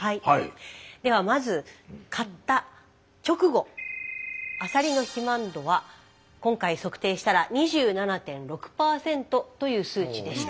ではまず買った直後アサリの肥満度は今回測定したら２７．６％という数値でした。